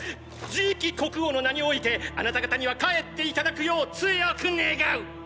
次期国王の名においてあなた方には帰っていただくよう強く願う！！